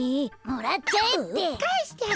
もらっちゃえよ！